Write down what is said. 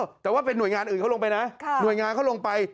แต่ว่าเป็นหน่วยงานอื่นเขาลงไปนะหน่วยงานเขาลงไป